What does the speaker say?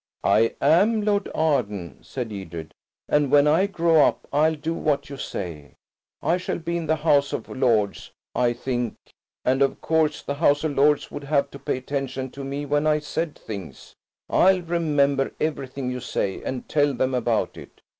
"I am Lord Arden," said Edred, "and when I grow up I'll do what you say. I shall be in the House of Lords, I think, and of course the House of Lords would have to pay attention to me when I said things. I'll remember everything you say, and tell them about it."